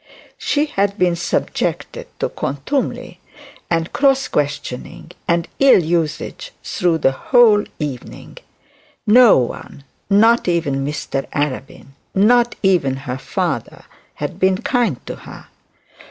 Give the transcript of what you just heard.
She had been subjected to contumely and cross questioning and ill usage through the whole evening. No one, not even Mr Arabin, not even her father, had been kind to her.